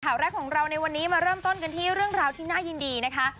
ข่าวแรกของเราในวันนี้มาเริ่มต้นกันที่เรื่องราวที่น่ายินดีนะคะ